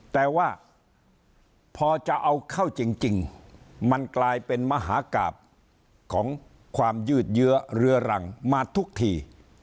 แต่ว่าพอจะเอาเข้าจริงมันกลายเป็นมหากราบของความยืดเยื้อเรื้อรังมาทุกที